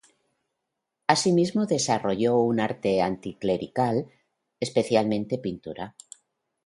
Asimismo se desarrolló un arte anticlerical, especialmente pintura.